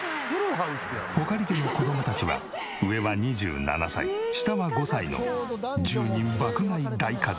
穂苅家の子供たちは上は２７歳下は５歳の１０人爆買い大家族。